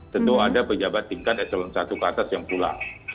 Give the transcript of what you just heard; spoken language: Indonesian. tentu ada pejabat tingkat eselon satu ke atas yang pulang